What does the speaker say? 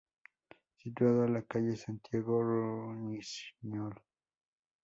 Situado a la calle Santiago Rusiñol.